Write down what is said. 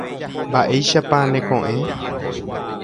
Mba'éichapa neko'ẽ.